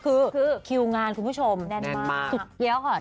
คือคิวงานคุณผู้ชมแน่นมากสุดเกี้ยวค่ะ